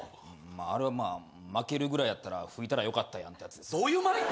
あれは負けるぐらいやったら吹いたらよかったやんってやつです。